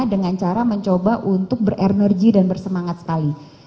dengan cara mencoba untuk berenergi dan bersemangat sekali